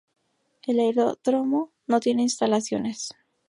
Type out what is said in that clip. El aeródromo no tiene instalaciones.